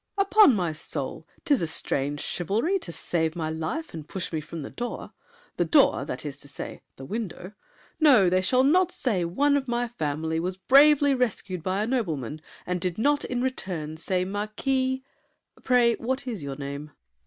Upon my soul! 'Tis a strange chivalry To save my life and push me from the door! The door—that is to say, the window! No, They shall not say one of my family Was bravely rescued by a nobleman And did not in return say "Marquis—" Pray, What is your name?